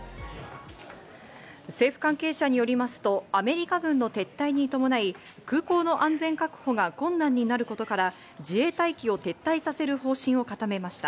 政府関係者によりますとアメリカ軍の撤退に伴い、空港の安全確保が困難になることから、自衛隊機を撤退させる方針を固めました。